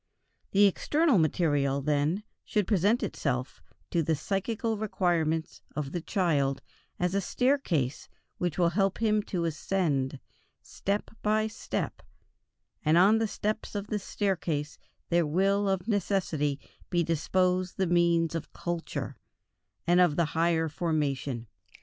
The external material, then, should present itself to the psychical requirements of the child as a staircase which helps him to ascend, step by step, and on the steps of this staircase there will of necessity be disposed the means of culture, and of the higher formation.